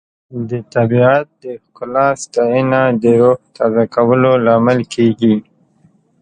د طبیعت د ښکلا ستاینه د روح تازه کولو لامل کیږي.